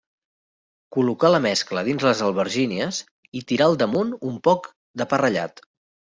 Col·locar la mescla dins les albergínies i tirar al damunt un poc de pa ratllat.